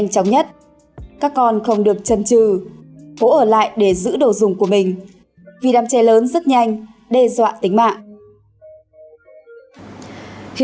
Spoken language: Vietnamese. các con không được chân trừ cố ở lại để giữ đồ dùng của mình